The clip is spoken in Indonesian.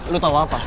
lo tau apa